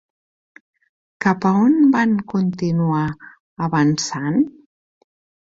Cap a on van continuar avançant?